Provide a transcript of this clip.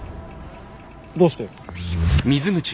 どうして？